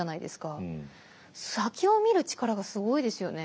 先を見る力がすごいですよね。